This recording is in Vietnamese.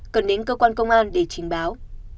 cần đến cơ quan công an để trình báo